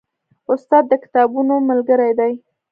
استاد د کتابونو ملګری دی.